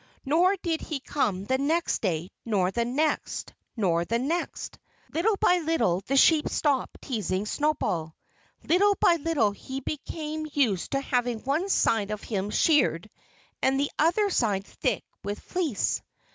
Nor did he come the next day, nor the next, nor the next. Little by little the sheep stopped teasing Snowball. Little by little he became used to having one side of him sheared and the other side thick with fleece.